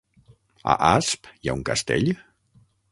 A Asp hi ha un castell?